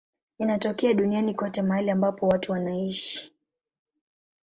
Inatokea duniani kote mahali ambapo watu wanaishi.